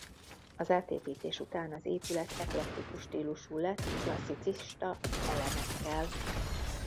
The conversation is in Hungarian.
Az átépítés után az épület eklektikus stílusú lett klasszicista elemekkel.